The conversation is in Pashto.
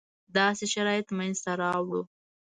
داسې شرایط منځته راوړو.